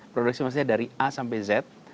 produksi maksudnya dari a sampai z